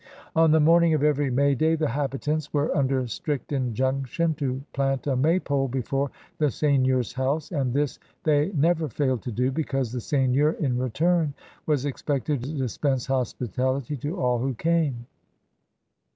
On the morning of every May Day the habitants were imder strict injunction to plant a Maypole before the seigneur's house, and this they never failed to do, because the seigneur in return was expected to dispense hospitality to all who came.